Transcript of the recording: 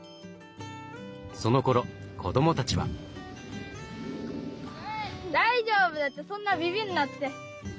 そのころ子どもたちは。大丈夫だってそんなビビんなって。